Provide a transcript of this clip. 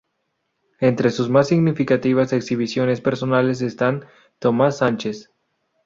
Entre sus más significativas exhibiciones personales están: Tomás Sánchez.